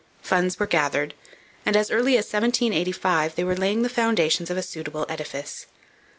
Funds were gathered, and as early as 1785 they were laying the foundations of a suitable edifice.